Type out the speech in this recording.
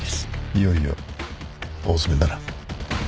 いよいよ大詰めだな。